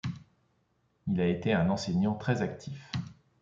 Il a été un enseignant très actif.